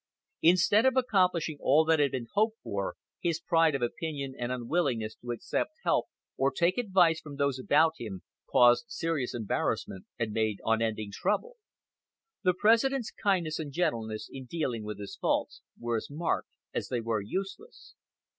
Instead of accomplishing all that had been hoped for, his pride of opinion and unwillingness to accept help or take advice from those about him, caused serious embarrassment and made unending trouble. The President's kindness and gentleness in dealing with his faults were as marked as they were useless.